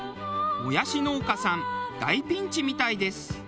もやし農家さん大ピンチみたいです。